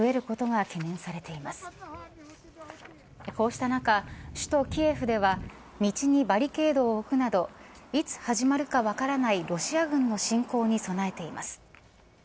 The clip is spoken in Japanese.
こうした中、首都キエフでは道にバリケードを置くなどいつ始まるか分からないロシア軍の侵攻に備えています。